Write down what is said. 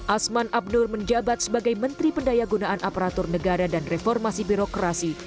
asman abnur menjabat sebagai menteri pendaya gunaan aparatur negara dan reformasi birokrasi